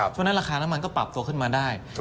ฉะนั้นราคาน้ำมันก็ปรับตัวขึ้นมาได้